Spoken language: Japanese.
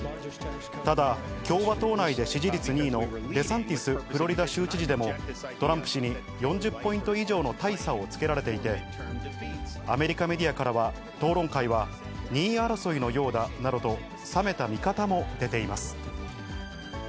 ただ、共和党内で支持率２位のデサンティスフロリダ州知事でも、トランプ氏に４０ポイント以上の大差をつけられていて、アメリカメディアからは、討論会は２位争いのようだなどと冷めた見方も出ています。